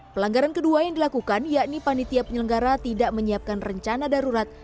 pelanggaran kedua yang dilakukan yakni panitia penyelenggara tidak menyiapkan rencana darurat